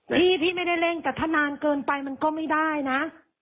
พี่พี่ไม่ได้เร่งแต่ถ้านานเกินไปมันก็ไม่ได้นะ